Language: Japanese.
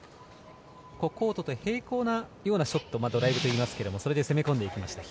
コートと平行なショットをドライブといいますけどもそれで攻め込んでいきました。